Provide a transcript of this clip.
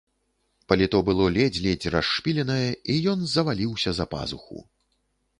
Паліто было ледзь-ледзь расшпіленае, і ён заваліўся за пазуху.